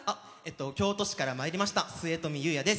京都市からまいりましたすえとみです。